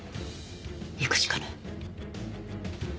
行くしかない。